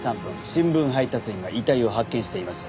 新聞配達員が遺体を発見しています。